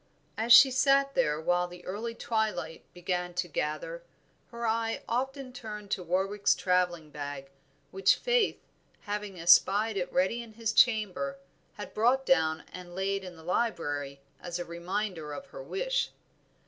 As she sat there while the early twilight began to gather, her eye often turned to Warwick's travelling bag, which Faith, having espied it ready in his chamber, had brought down and laid in the library, as a reminder of her wish.